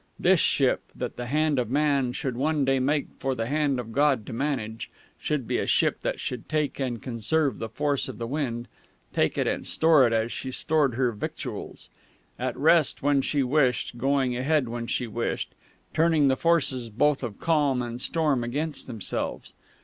This ship, that the hand of man should one day make for the Hand of God to manage, should be a ship that should take and conserve the force of the wind, take it and store it as she stored her victuals; at rest when she wished, going ahead when she wished; turning the forces both of calm and storm against themselves.